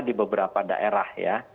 di beberapa daerah ya